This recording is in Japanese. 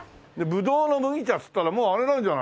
葡萄の麦茶っつったらもうあれなんじゃないの？